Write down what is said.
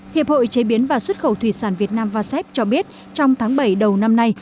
hiệp hội chế biến và xuất khẩu thủy sản việt nam vasep cho biết trong tháng bảy đầu năm nay